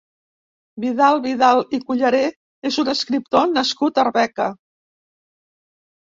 Vidal Vidal i Culleré és un escriptor nascut a Arbeca.